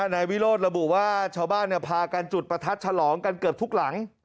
นายวิโรธระบุว่าชาวบ้านพากันจุดประทัดฉลองกันเกือบทุกหลัง